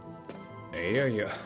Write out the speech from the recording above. いやいや。